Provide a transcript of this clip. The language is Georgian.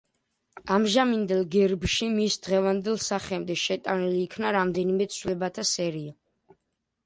ამჟამინდელ გერბში, მის დღევანდელ სახემდე, შეტანილ იქნა რამდენიმე ცვლილებათა სერია.